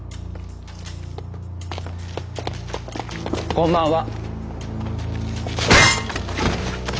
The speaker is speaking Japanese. こんばんは。